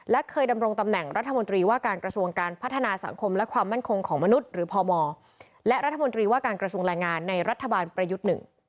และเคยดำรงตำแหน่งรัฐมนตรีว่าการกระทรวงการพัฒนาสังคมและความมั่นคงของมนุษย์หรือพมและรัฐมนตรีว่าการกระทรวงแรงงานในรัฐบาลประยุทธ์๑